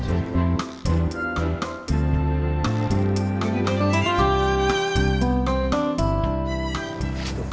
kita akan berjalan ke rumah